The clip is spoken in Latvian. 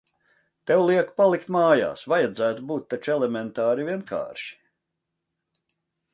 Tev liek palikt mājās. Vajadzētu būt taču elementāri, vienkārši?